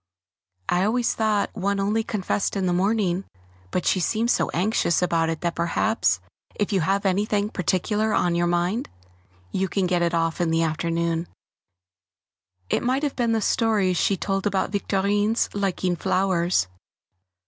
I always thought one only confessed in the morning, but she seemed so anxious about it that perhaps if you have anything particular on your mind you can get it off in the afternoon; it might have been the stories she told about Victorine's liking flowers.